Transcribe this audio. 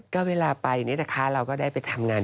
ก็เวลาไปเนี่ยนะคะเราก็ได้ไปทำงาน